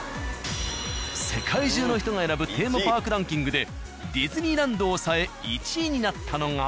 世界中の人が選ぶテーマパークランキングでディズニーランドを抑え１位になったのが。